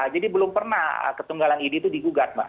jadi belum pernah ketunggalan id itu digugat mbak